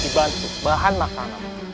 dibantu bahan makanan